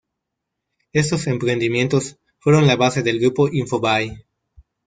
Estos emprendimientos fueron la base del Grupo Infobae.